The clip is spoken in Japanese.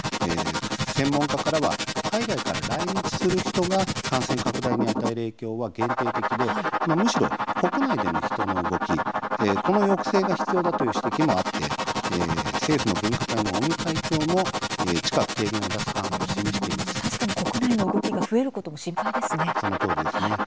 専門家からは海外から来日する人が感染拡大に与える影響は限定的でむしろ国内での人の動きその抑制が必要だという指摘もあって政府の分科会の尾身会長も近く提言を出す考えを示してい国内の動きが増えることもそのとおりですね。